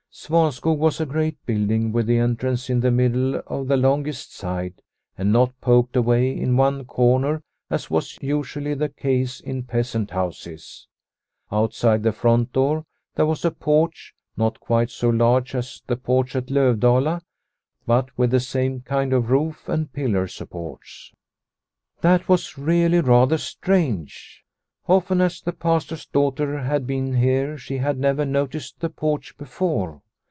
Svanskog was a great building, with the en trance in the middle of the longest side, and not poked away in one corner as was usually the case in peasant houses. Outside the front door there was a porch not quite so large as the porch at Lovdala, but with the same kind of roof and pillar supports. That was really rather strange ! Often as the Pastor's daughter had been here she had The Silver Thaler 133 never noticed the porch before.